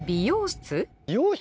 美容室！？